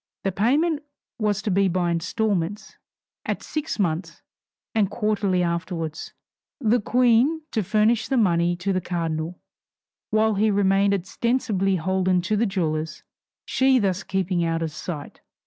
The payment was to be by instalments, at six months, and quarterly afterwards; the Queen to furnish the money to the cardinal, while he remained ostensibly holden to the jewellers, she thus keeping out of sight.